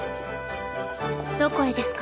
どこへですか？